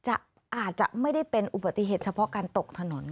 อาจจะไม่ได้เป็นอุบัติเหตุเฉพาะการตกถนน